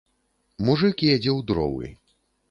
Мужык едзе ў дровы.